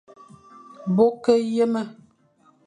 Bo ke yeme,